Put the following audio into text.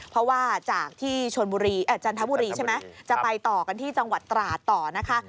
เพราะว่าจากที่จันทบุรีจะไปต่อกันที่จังหวัดตราตต่อนะคะ